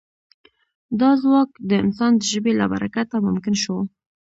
دا ځواک د انسان د ژبې له برکته ممکن شو.